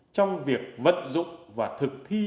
trong việc vận dụng và thực thi